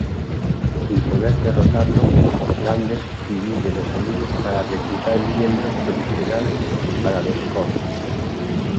Sin poder derrotarlo, Ganthet divide los anillos para reclutar miembros provisionales para los Corps.